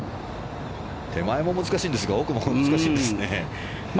手前も難しいんですが奥も難しいんですね。